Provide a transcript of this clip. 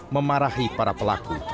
memarahi para pelaku